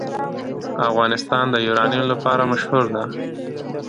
افغانستان د یورانیم لپاره مشهور دی.